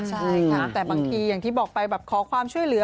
ใช่ค่ะแต่บางทีอย่างที่บอกไปแบบขอความช่วยเหลือ